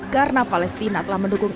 karena palestina telah mendukung